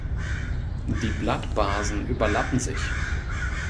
Die Blattbasen überlappen sich.